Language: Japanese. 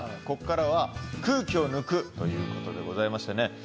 ここからは空気を抜くということでございましてね。